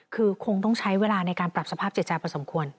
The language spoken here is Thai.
คือคงต้องใช้เวลาในการปรับสภาพจิตใจพอสมควร